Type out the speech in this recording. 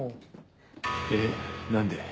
えっ何で？